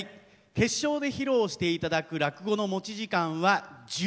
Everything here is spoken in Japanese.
決勝で披露していただく落語の持ち時間は１１分。